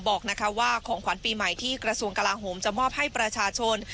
บอกว่าของขวัญปีใหม่ที่กระทรวงกลาโหมจะมอบให้ประชาชน